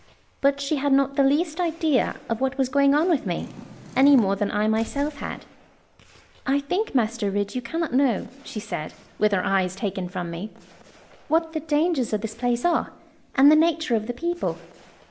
But she had not the least idea of what was going on with me, any more than I myself had. 'I think, Master Ridd, you cannot know,' she said, with her eyes taken from me, 'what the dangers of this place are, and the nature of the people.'